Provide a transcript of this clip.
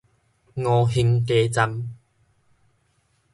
吳興街站